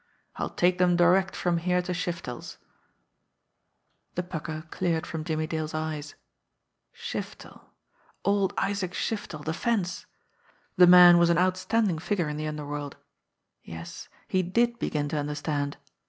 I'll take them direct from here to Shiftel's." The pucker cleared from Jimmie Dale's eyes. Shiftel old Isaac Shiftel the fence ! The man was an outstanding figure in the underworld ! Yes, he did begin to understand.